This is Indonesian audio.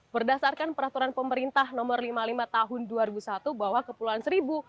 berdasarkan peraturan pemerintah nomor lima puluh lima tahun dua ribu satu bahwa kepulauan seribu